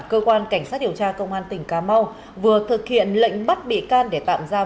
cơ quan cảnh sát điều tra công an tỉnh cà mau vừa thực hiện lệnh bắt bị can để tạm giam